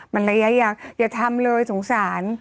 มันระยะยาวอย่าทำเลยสงสาร